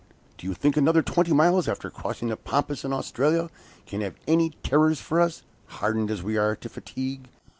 do you think another twenty miles after crossing the Pampas and Australia, can have any terrors for us, hardened as we are to fatigue?"